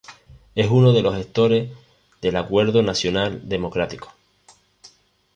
Es uno de los gestores del Acuerdo Nacional Democrático.